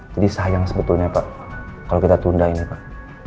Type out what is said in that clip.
jadi sayang sebetulnya pak kalau kita tunda ini pak